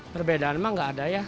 perbedaan emang gak ada ya